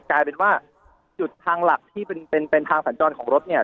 กลายเป็นว่าจุดทางหลักที่เป็นเป็นทางสัญจรของรถเนี่ย